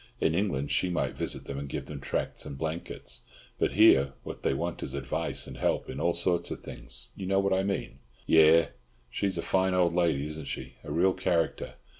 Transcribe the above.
In England she might visit them and give them tracts and blankets, but here what they want is advice and help in all sorts of things. You know what I mean?" "Yes. She is a fine old lady, isn't she? A real character.